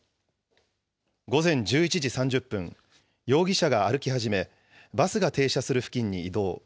午前１１時３０分、容疑者が歩き始め、バスが停車する付近に移動。